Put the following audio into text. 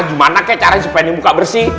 gimana kek caranya supaya ini muka bersih